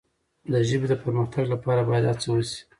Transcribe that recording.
د ژبې د پرمختګ لپاره باید هڅه وسي.